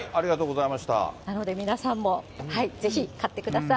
なので皆さんも、ぜひ買ってください。